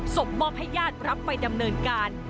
มอบให้ญาติรับไปดำเนินการ